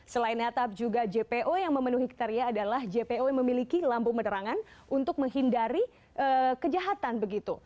selain atap juga jpo yang memenuhi kriteria adalah jpo yang memiliki lampu menerangan untuk menghindari kejahatan begitu